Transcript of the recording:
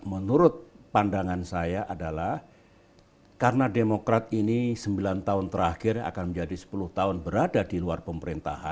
menurut pandangan saya adalah karena demokrat ini sembilan tahun terakhir akan menjadi sepuluh tahun berada di luar pemerintahan